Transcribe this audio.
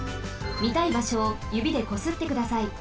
みたいばしょをゆびでこすってください。